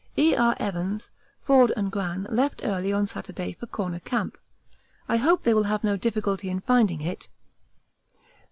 E. R. Evans, Forde, and Gran left early on Saturday for Corner Camp. I hope they will have no difficulty in finding it.